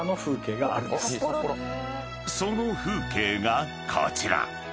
［その風景がこちら］